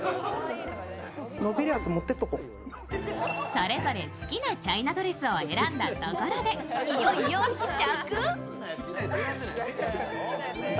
それぞれ好きなチャイナドレスを選んだところでいよいよ試着。